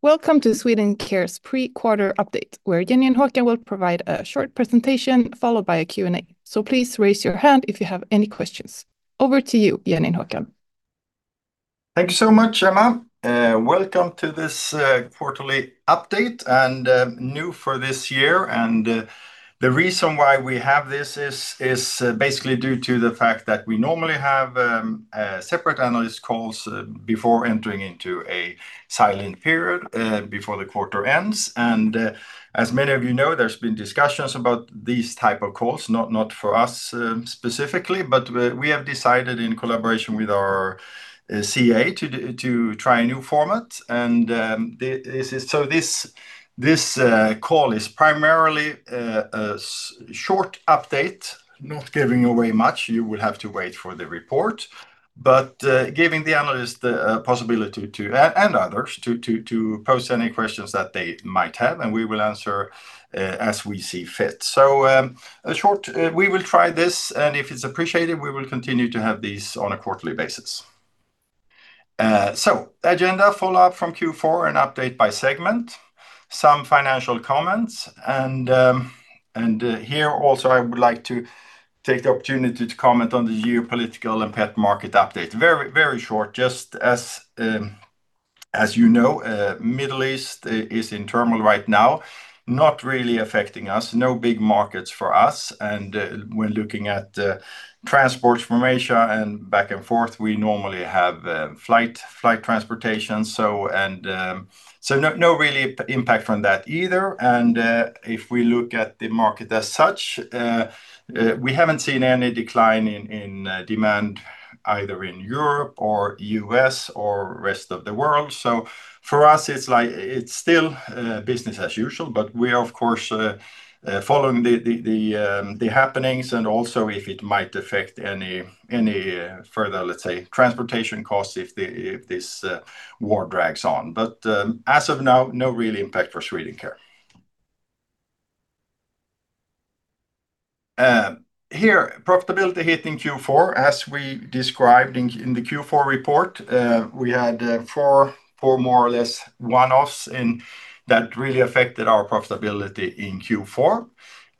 Welcome to Swedencare's pre-quarter update, where Jenny and Håkan will provide a short presentation followed by a Q&A. Please raise your hand if you have any questions. Over to you, Jenny and Håkan. Thank you so much, Emma. Welcome to this quarterly update and new for this year. The reason why we have this is basically due to the fact that we normally have a separate analyst calls before entering into a silent period before the quarter ends. As many of you know, there's been discussions about these type of calls, not for us specifically, but we have decided in collaboration with our CA to try a new format. This call is primarily a short update, not giving away much. You will have to wait for the report. Giving the analyst the possibility and others to post any questions that they might have, and we will answer as we see fit. A short. We will try this, and if it's appreciated, we will continue to have these on a quarterly basis. Agenda, follow-up from Q4 and update by segment, some financial comments. Here also I would like to take the opportunity to comment on the geopolitical and pet market update. Very short. Just as you know, Middle East is in turmoil right now, not really affecting us. No big markets for us, and when looking at transport from Asia and back and forth, we normally have flight transportation. No real impact from that either. If we look at the market as such, we haven't seen any decline in demand either in Europe or U.S. or rest of the world. For us, it's like it's still business as usual, but we are of course following the happenings and also if it might affect any further, let's say, transportation costs if this war drags on. As of now, no real impact for Swedencare. Here, profitability hit in Q4, as we described in the Q4 report. We had four more or less one-offs, and that really affected our profitability in Q4.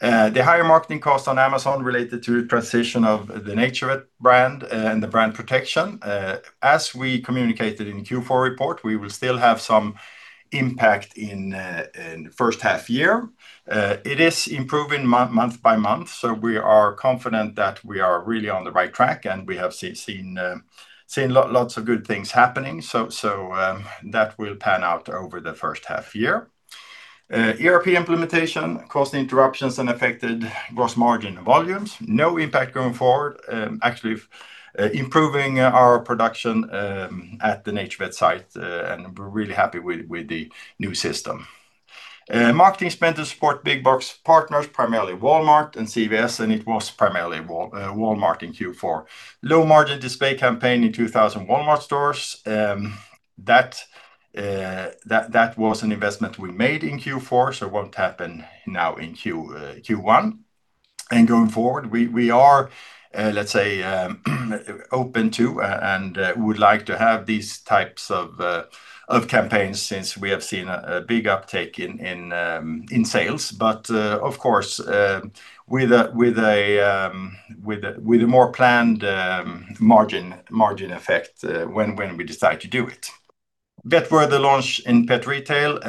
The higher marketing cost on Amazon related to transition of the NaturVet, and the brand protection. As we communicated in Q4 report, we will still have some impact in first half year. It is improving month by month, so we are confident that we are really on the right track, and we have seen lots of good things happening. That will pan out over the first half year. ERP implementation caused interruptions and affected gross margin volumes. No impact going forward, actually improving our production at the NaturVet site, and we're really happy with the new system. Marketing spend to support big box partners, primarily Walmart and CVS, and it was primarily Walmart in Q4. Low margin display campaign in 2,000 Walmart stores, that was an investment we made in Q4, so won't happen now in Q1. Going forward, we are, let's say, open to and would like to have these types of campaigns since we have seen a big uptake in sales, but of course, with a more planned margin effect when we decide to do it. With the launch in pet retail.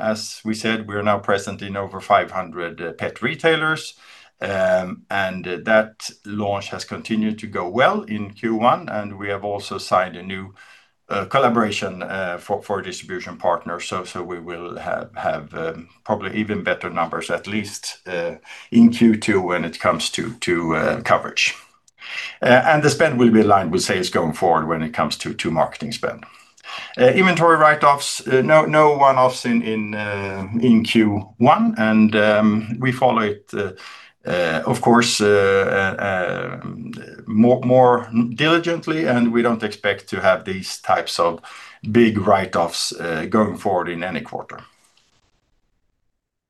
As we said, we are now present in over 500 pet retailers. That launch has continued to go well in Q1, and we have also signed a new collaboration for a distribution partner. We will have probably even better numbers at least in Q2 when it comes to coverage. The spend will be aligned with sales going forward when it comes to marketing spend. Inventory write-offs, no one-offs in Q1, and we follow it more diligently, of course, and we don't expect to have these types of big write-offs going forward in any quarter.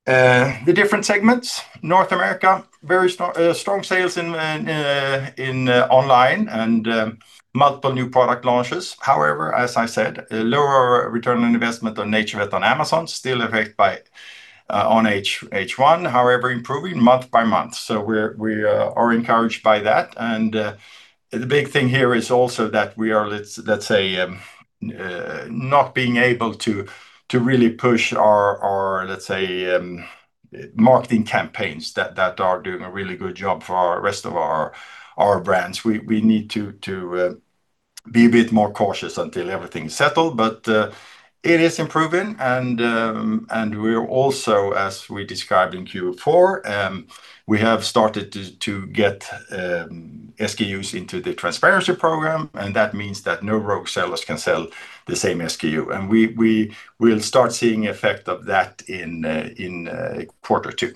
The different segments. North America, very strong sales in online and multiple new product launches. However, as I said, a lower return on investment on NaturVet on Amazon still affected by H1, however improving month by month. We're encouraged by that. The big thing here is also that we are, let's say, not being able to really push our, let's say, marketing campaigns that are doing a really good job for the rest of our brands. We need to be a bit more cautious until everything's settled. It is improving and we're also, as we described in Q4, we have started to get SKUs into the Transparency program, and that means that no rogue sellers can sell the same SKU. We will start seeing effect of that in quarter two.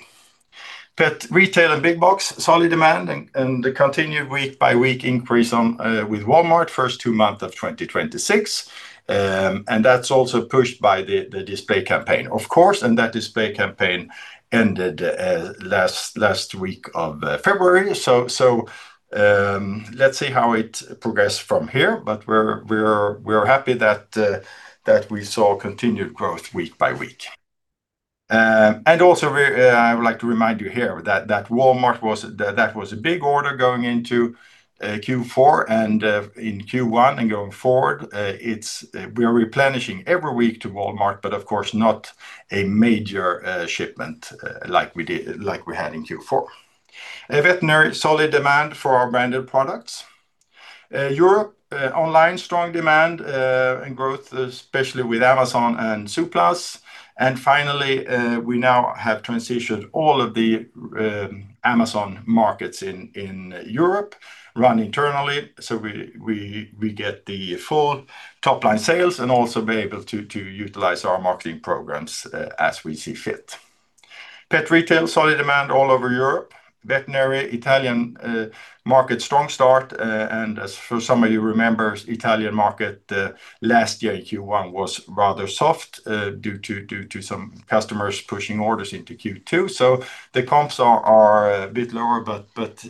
Pet retail and big box, solid demand and the continued week by week increase in with Walmart first two months of 2026. That's also pushed by the display campaign, of course. That display campaign ended last week of February. Let's see how it progressed from here. We're happy that we saw continued growth week by week. Also, I would like to remind you here that Walmart was a big order going into Q4 and in Q1, and going forward, we are replenishing every week to Walmart, but of course not a major shipment like we had in Q4. Veterinary, solid demand for our branded products. Europe online, strong demand and growth, especially with Amazon and zooplus. Finally, we now have transitioned all of the Amazon markets in Europe run internally. We get the full top-line sales and also be able to utilize our marketing programs as we see fit. Pet retail, solid demand all over Europe. Veterinary Italian market, strong start. As some of you remember, Italian market last year, Q1 was rather soft due to some customers pushing orders into Q2. The comps are a bit lower, but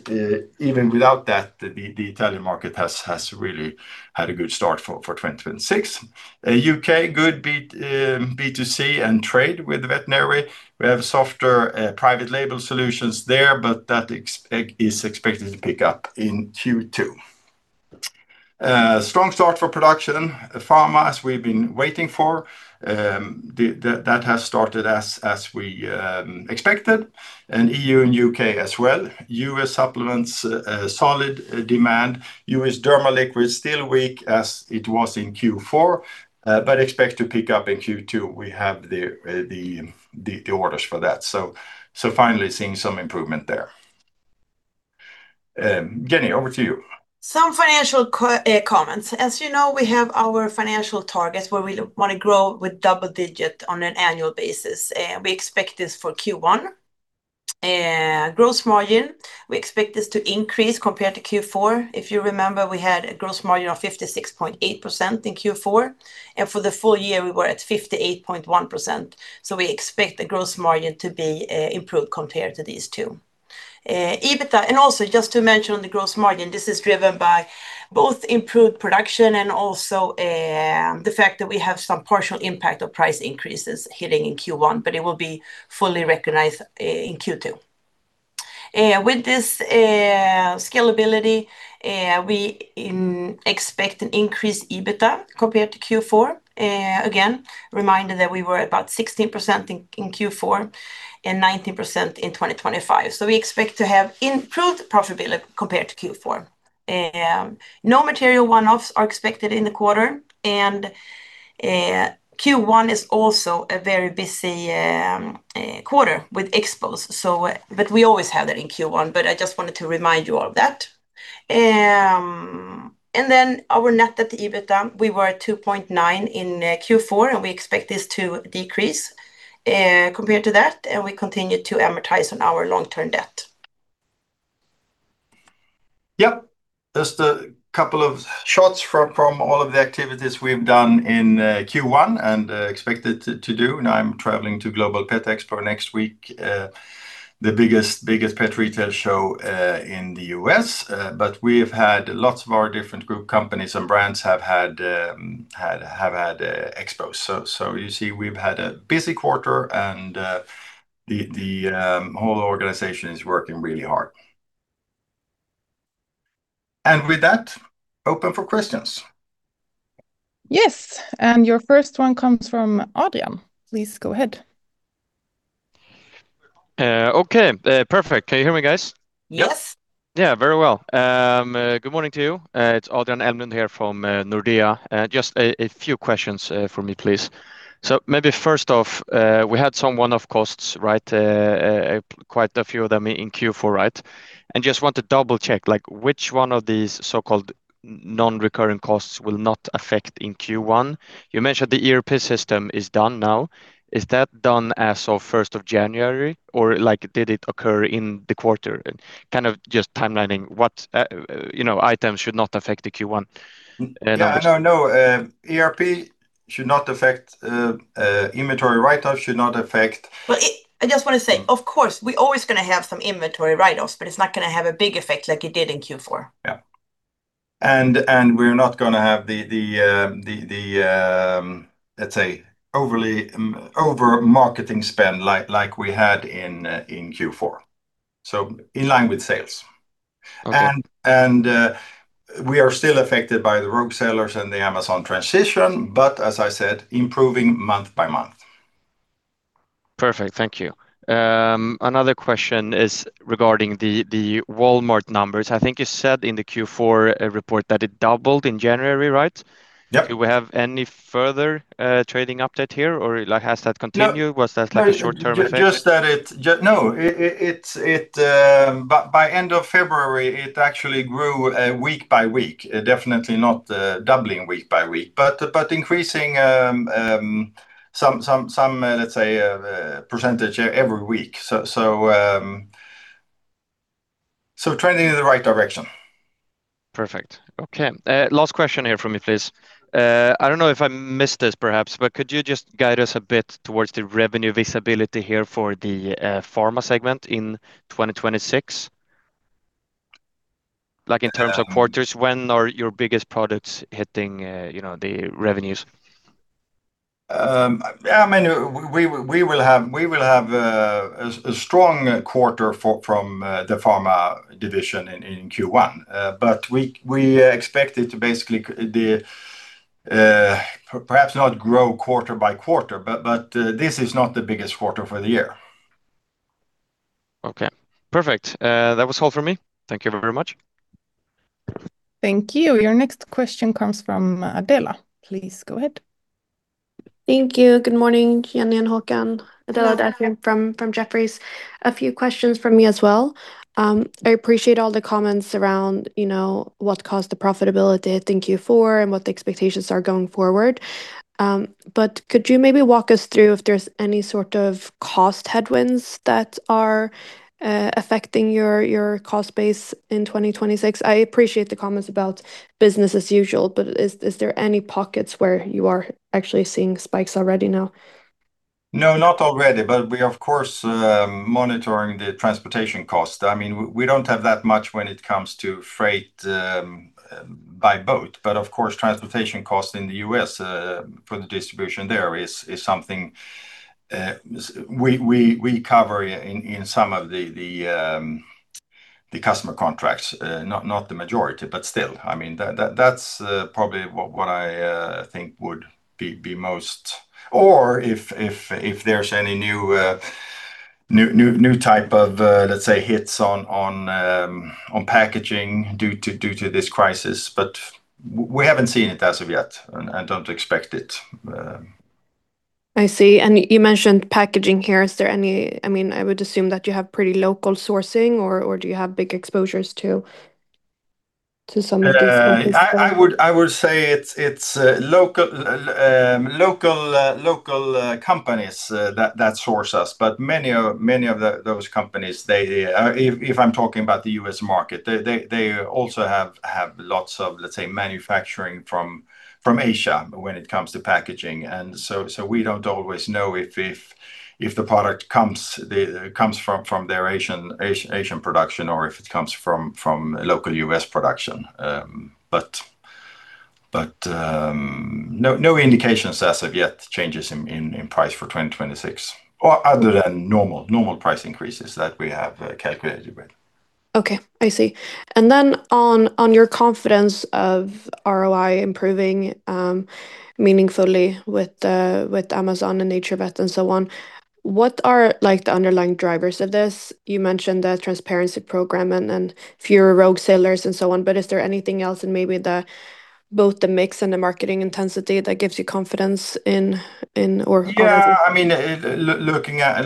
even without that, the Italian market has really had a good start for 2026. U.K., good B2C and trade with veterinary. We have softer private label solutions there, but that is expected to pick up in Q2. A strong start for production. Pharma, as we've been waiting for, that has started as we expected, and E.U. and U.K. as well. US supplements, solid demand. U.S. derma liquids, still weak as it was in Q4, but expect to pick up in Q2. We have the orders for that. Finally seeing some improvement there. Jenny, over to you. Some financial comments. As you know, we have our financial targets where we want to grow with double-digit on an annual basis. We expect this for Q1. Gross margin, we expect this to increase compared to Q4. If you remember, we had a gross margin of 56.8% in Q4, and for the full year, we were at 58.1%. We expect the gross margin to be improved compared to these two. EBITDA, and also just to mention on the gross margin, this is driven by both improved production and also, the fact that we have some partial impact of price increases hitting in Q1, but it will be fully recognized in Q2. With this, scalability, we expect an increased EBITDA compared to Q4. Again, reminder that we were about 16% in Q4 and 19% in 2025. We expect to have improved profitability compared to Q4. No material one-offs are expected in the quarter, and Q1 is also a very busy quarter with expos. We always have that in Q1, but I just wanted to remind you all of that. Our net debt/EBITDA, we were at 2.9 in Q4, and we expect this to decrease compared to that, and we continue to amortize on our long-term debt. Yep. Just a couple of shots from all of the activities we've done in Q1 and expected to do. Now I'm traveling to Global Pet Expo next week, the biggest pet retail show in the U.S. We have had lots of our different group companies and brands have had expos. So you see, we've had a busy quarter, and the whole organization is working really hard. With that, open for questions. Yes. Your first one comes from Adrian. Please go ahead. Okay. Perfect. Can you hear me, guys? Yes. Yep. Yeah, very well. Good morning to you. It's Adrian Elmlund here from Nordea. Just a few questions from me, please. Maybe first off, we had some one-off costs, right? Quite a few of them in Q4, right? Just want to double-check, like, which one of these so-called non-recurring costs will not affect in Q1? You mentioned the ERP system is done now. Is that done as of first of January, or, like, did it occur in the quarter? Kind of just timelining what, you know, items should not affect the Q1. Yeah, no. ERP should not affect, inventory write-offs should not affect. I just want to say, of course, we're always gonna have some inventory write-offs, but it's not gonna have a big effect like it did in Q4. Yeah. We're not gonna have the, let's say, over-marketing spend like we had in Q4. In line with sales. Okay. We are still affected by the rogue sellers and the Amazon transition, but as I said, improving month by month. Perfect. Thank you. Another question is regarding the Walmart numbers. I think you said in the Q4 report that it doubled in January, right? Yeah. Do we have any further, trading update here, or like, has that continued? Was that like a short-term effect? No, it's by end of February, it actually grew week by week. Definitely not doubling week by week, but increasing some let's say percentage every week. Trending in the right direction. Perfect. Okay. Last question here from me, please. I don't know if I missed this perhaps, but could you just guide us a bit towards the revenue visibility here for the pharma segment in 2026? Like in terms of quarters, when are your biggest products hitting, you know, the revenues? I mean, we will have a strong quarter from the pharma division in Q1. But we expect it to basically perhaps not grow quarter by quarter, but this is not the biggest quarter for the year. Okay, perfect. That was all for me. Thank you very much. Thank you. Your next question comes from Adela. Please go ahead. Thank you. Good morning, Jenny and Håkan. Adela Dashian from Jefferies. A few questions from me as well. I appreciate all the comments around, you know, what caused the profitability at Q4 and what the expectations are going forward. Could you maybe walk us through if there's any sort of cost headwinds that are affecting your cost base in 2026? I appreciate the comments about business as usual. Is there any pockets where you are actually seeing spikes already now? No, not already, but we of course monitoring the transportation cost. I mean, we don't have that much when it comes to freight by boat. Of course, transportation cost in the U.S. for the distribution there is something we cover in some of the customer contracts. Not the majority, but still, I mean, that's probably what I think would be most. If there's any new type of, let's say, hikes on packaging due to this crisis. We haven't seen it as of yet, and I don't expect it. I see. You mentioned packaging here. I mean, I would assume that you have pretty local sourcing or do you have big exposures to some of these? I would say it's local companies that source us. Many of those companies. If I'm talking about the US market, they also have lots of, let's say, manufacturing from Asia when it comes to packaging. We don't always know if the product comes from their Asian production or if it comes from a local US production. No indications as of yet changes in price for 2026, or other than normal price increases that we have calculated with. Okay, I see. Then on your confidence of ROI improving meaningfully with Amazon and NaturVet and so on, what are, like, the underlying drivers of this? You mentioned the transparency program and fewer rogue sellers and so on, but is there anything else in maybe both the mix and the marketing intensity that gives you confidence in or- Yeah, I mean, looking at.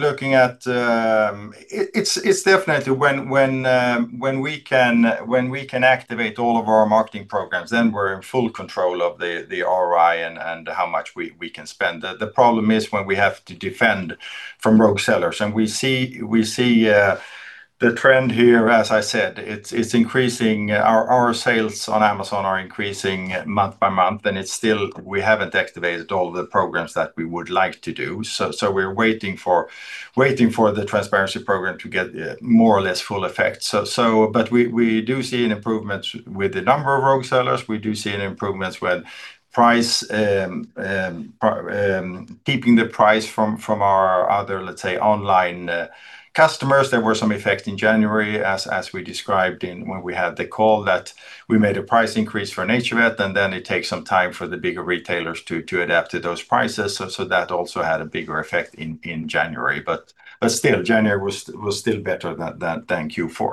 It's definitely when we can activate all of our marketing programs, then we're in full control of the ROI and how much we can spend. The problem is when we have to defend from rogue sellers. We see the trend here, as I said, it's increasing. Our sales on Amazon are increasing month by month, and it's still. We haven't activated all the programs that we would like to do. We're waiting for the Transparency program to get more or less full effect. But we do see an improvement with the number of rogue sellers. We do see an improvement with price, keeping the price from our other, let's say, online customers. There were some effects in January as we described when we had the call that we made a price increase for NaturVet, and then it takes some time for the bigger retailers to adapt to those prices. That also had a bigger effect in January. Still, January was still better than Q4.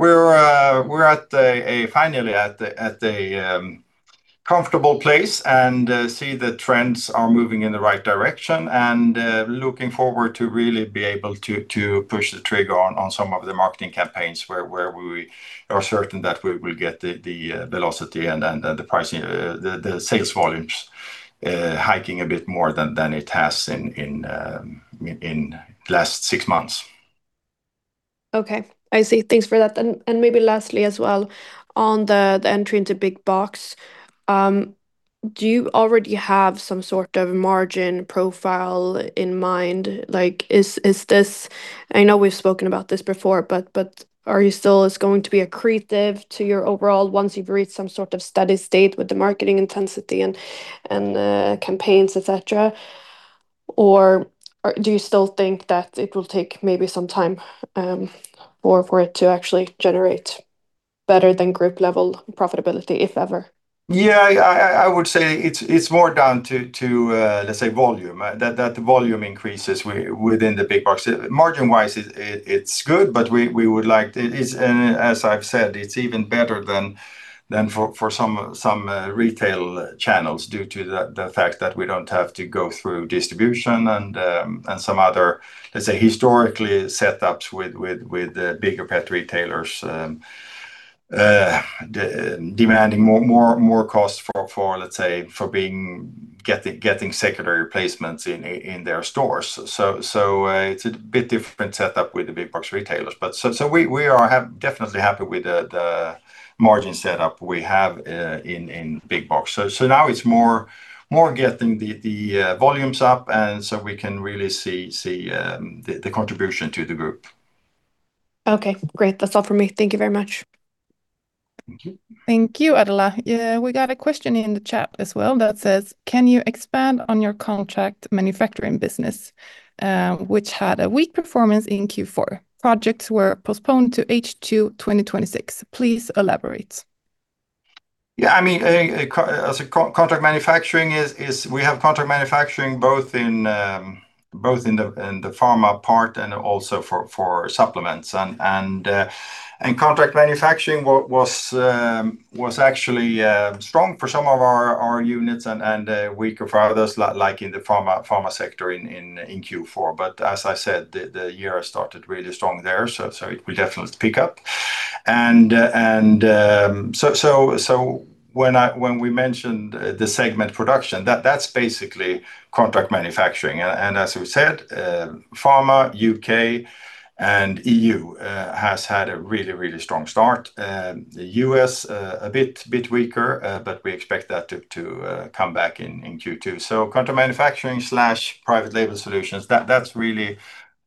We're finally at a comfortable place and see the trends are moving in the right direction and looking forward to really be able to push the trigger on some of the marketing campaigns where we are certain that we will get the velocity and the pricing, the sales volumes hiking a bit more than it has in the last six months. Okay, I see. Thanks for that. Maybe lastly as well, on the entry into big box, do you already have some sort of margin profile in mind? Like, is this, I know we've spoken about this before, but are you still is going to be accretive to your overall once you've reached some sort of steady state with the marketing intensity and campaigns, et cetera? Or do you still think that it will take maybe some time for it to actually generate better than group level profitability, if ever? Yeah, I would say it's more down to, let's say volume, that volume increases within the big box. Margin-wise, it's good, but we would like. It is, as I've said, it's even better than for some retail channels due to the fact that we don't have to go through distribution and some other, let's say, historically set ups with the bigger pet retailers, demanding more costs for, let's say, for being, getting secondary placements in their stores. It's a bit different set up with the big box retailers. We are definitely happy with the margin set up we have in big box. Now it's more getting the volumes up, and so we can really see the contribution to the group. Okay, great. That's all for me. Thank you very much. Thank you. Thank you, Adela. Yeah, we got a question in the chat as well that says, "Can you expand on your contract manufacturing business, which had a weak performance in Q4? Projects were postponed to H2 2026. Please elaborate. Yeah, I mean, as contract manufacturing is, we have contract manufacturing both in the pharma part and also for supplements. Contract manufacturing was actually strong for some of our units and weaker for others, like in the pharma sector in Q4. As I said, the year started really strong there, so it will definitely pick up. When we mentioned the segment production, that's basically contract manufacturing. As we said, pharma, UK, and EU has had a really strong start. The US a bit weaker, but we expect that to come back in Q2. Contract manufacturing/private label solutions, that's really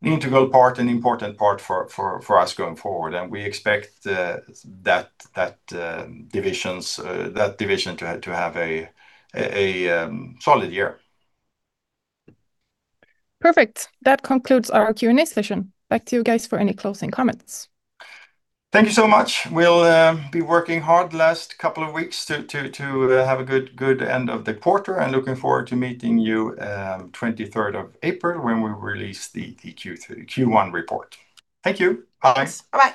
an integral part and important part for us going forward. We expect that division to have a solid year. Perfect. That concludes our Q&A session. Back to you guys for any closing comments. Thank you so much. We'll be working hard last couple of weeks to have a good end of the quarter. Looking forward to meeting you 23rd of April, when we release the Q1 report. Thank you. Bye. Bye-bye.